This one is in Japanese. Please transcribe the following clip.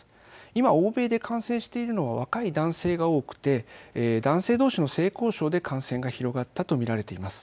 今、欧米で感染しているのは若い男性が多くて男性どうしの性交渉で感染が広がったと見られています。